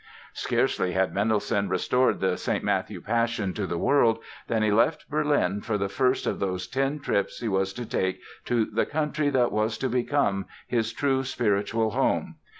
Scarcely had Mendelssohn restored the "St. Matthew Passion" to the world than he left Berlin for the first of those ten trips he was to take to the country that was to become his true spiritual home.